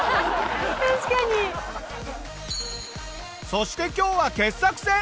そして今日は傑作選！